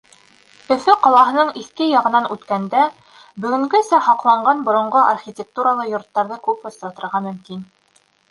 Өфө ҡалаһының иҫке яғынан үткәндә бөгөнгәсә һаҡланған боронғо архитектуралы йорттарҙы күп осратырға мөмкин.